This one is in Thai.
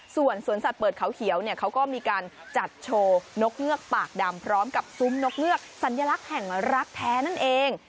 ส่วนสวนสัตว์เปิดเขาเขียวเนี่ยเขาก็มีการจัดโชว์นกเงือกปากดำพร้อมกับซุ้มนกเงือกสัญลักษณ์แห่งรักแท้นั่นเอง